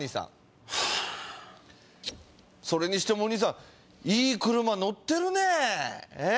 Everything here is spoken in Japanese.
それにしてもお兄さんいい車乗ってるね。